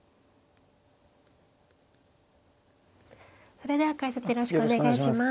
それでは解説よろしくお願いします。